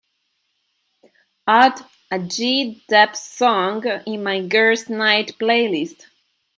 add a G Dep song in my girls' night playlist